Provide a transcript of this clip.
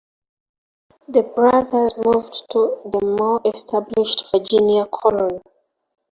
The brothers moved to the more established Virginia Colony.